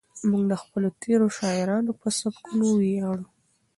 موږ د خپلو تېرو شاعرانو په سبکونو ویاړو.